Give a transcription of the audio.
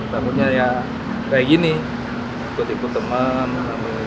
takutnya ya kayak gini ikut ikut temen